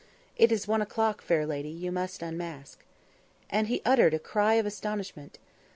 "It's one o'clock, fair lady; you must unmask." And he uttered a cry of astonishment.